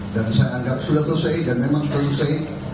dan saya anggap sudah selesai dan memang sudah selesai